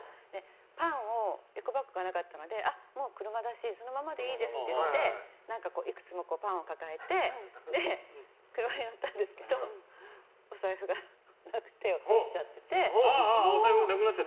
パンをエコバッグがなかったのでもう車だしそのままでいいですって言っていくつもパンを抱えて車に乗ったんですけどお財布がなくて落としちゃって。